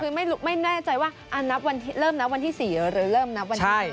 คือไม่แน่ใจว่านับวันเริ่มนับวันที่๔หรือเริ่มนับวันนี้